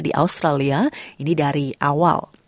di australia ini dari awal